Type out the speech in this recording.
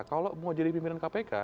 kalau mau jadi pimpinan kpk